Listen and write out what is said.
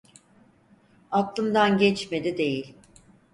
Aklımdan geçmedi değil.